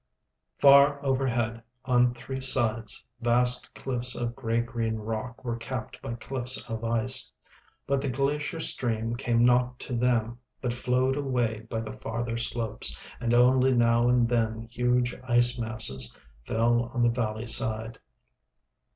Far overhead, on three sides, vast cliffs of grey green rock were capped by cliffs of ice; but the glacier stream came not to them, but flowed away by the farther slopes, and only now and then huge ice masses fell on the valley side.